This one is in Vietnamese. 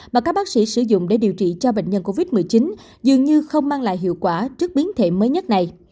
mà các bác sĩ sử dụng để điều trị cho bệnh nhân covid một mươi chín dường như không mang lại hiệu quả trước biến thể mới nhất này